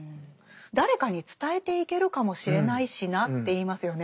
「誰かに伝えていけるかもしれないしな」って言いますよね。